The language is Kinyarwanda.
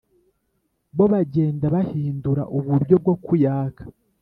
bo bagenda bahindura uburyo bwo kuyaka.